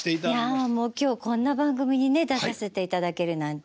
いやもう今日こんな番組にね出させていただけるなんて。